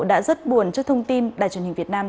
đã rất buồn trước thông tin đài truyền hình việt nam